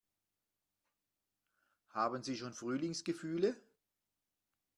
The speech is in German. Haben Sie schon Frühlingsgefühle?